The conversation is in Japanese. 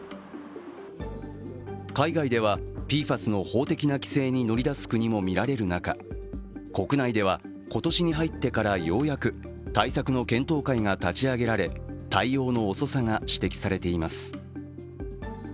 海外では、ＰＦＡＳの法的な規制に乗り出す国もみられる中、国内では、今年に入ってからようやく対策の検討会が立ち上げられ対応の遅さが指摘されています。